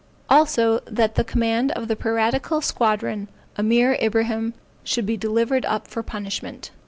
Also that the commander of the piratical squadron, Ameer Ibrahim, should be delivered up for punishment.